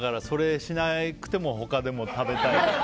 それしなくても他でも食べたい。